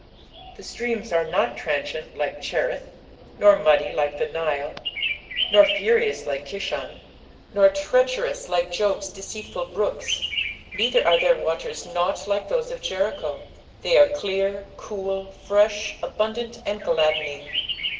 The streams are not transient like Cherith, nor muddy like the Nile, nor furious like Kishon, nor treacherous like Job*s deceitful brooks, neither are their waters " naught " like those of Jericho, they ate clear, cool, fresh, abundant, and gladdening.